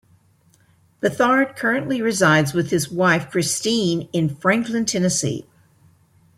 Beathard currently resides with his wife Christine in Franklin, Tennessee.